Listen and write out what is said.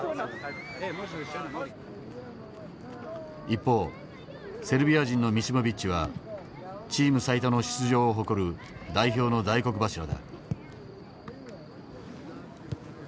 一方セルビア人のミシモビッチはチーム最多の出場を誇る代表の大黒柱だ。